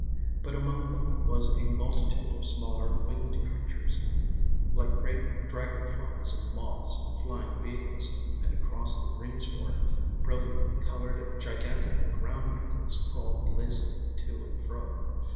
But among them was a multitude of smaller winged creatures, like great dragon flies and moths and flying beetles, and across the greensward brilliantly coloured gigantic ground beetles crawled lazily to and fro.